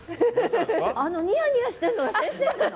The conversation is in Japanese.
あのニヤニヤしてんのが先生なの？